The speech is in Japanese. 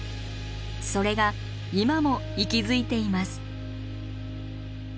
それが今も息づいています。